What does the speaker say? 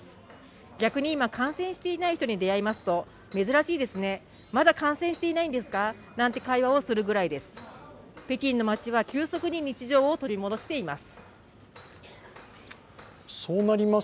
逆に今、感染していない人に出会いますと、珍しいですね、まだ感染していないんですかなんて会話をするくらいです。